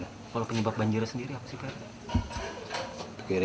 kalau penyebab banjir sendiri apa sih pak rt